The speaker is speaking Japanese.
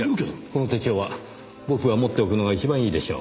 この手帳は僕が持っておくのが一番いいでしょう。